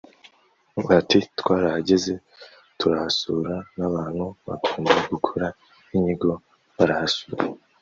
Ati “Twarahageze turahasura n’abantu bagomba gukora inyigo barahasura